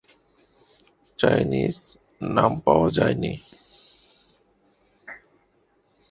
Chinese: নাম পাওয়া যায়নি।